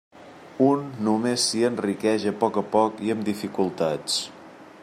Un només s'hi enriqueix a poc a poc i amb dificultats.